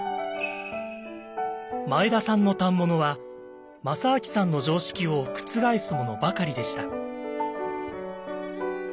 前田さんの反物は正明さんの常識を覆すものばかりでした。